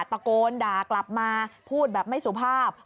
ตะโกนด่ากลับมาพูดแบบไม่สุภาพ